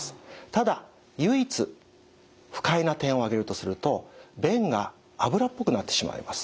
ただ唯一不快な点を挙げるとすると便が脂っぽくなってしまいます。